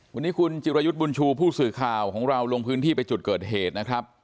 วันนี้คุณจิรยุทธ์บุญชูผู้สื่อข่าวของเราลงพื้นที่ไปจุดเกิดเหตุนะครับ